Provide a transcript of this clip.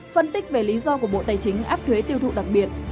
phân tích về lý do của bộ tài chính áp thuế tiêu thụ đặc biệt